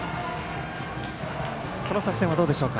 この作戦はどうでしょうか？